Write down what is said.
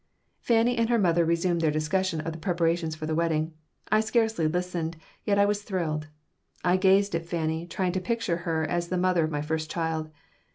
Fanny and her mother resumed their discussion of the preparations for the wedding. I scarcely listened, yet I was thrilled. I gazed at Fanny, trying to picture her as the mother of my first child.